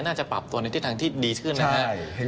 น่าจะปรับตัวในทิศทางที่ดีขึ้นนะครับ